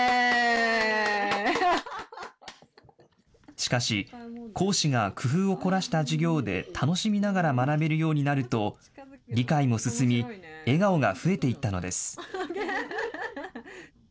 しかし、講師が工夫を凝らした授業で、楽しみながら学べるようになると、理解も進み、笑顔が増えていったのです。